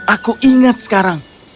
aku ingat sekarang